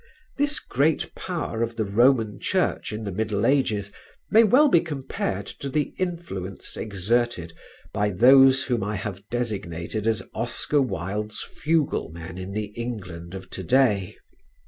This great power of the Roman Church in the middle ages may well be compared to the influence exerted by those whom I have designated as Oscar Wilde's fuglemen in the England of today.